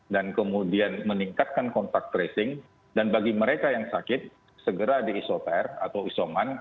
dan kemudian meningkatkan kontak tracing dan bagi mereka yang sakit segera diisoper atau isoman